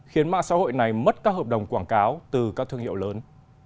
khiến mạng xã hội này mất các hợp đồng quảng cáo từ các thương hiệu lớn